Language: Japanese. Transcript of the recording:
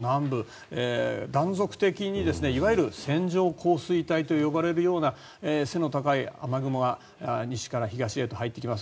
九州南部、断続的にいわゆる線状降水帯と呼ばれるような背の高い雨雲が西から東へと入ってきます。